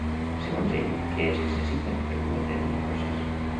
Segons ell, què es necessita per dur a terme el procés?